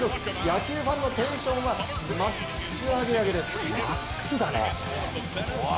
野球ファンのテンションはマックスアゲアゲです。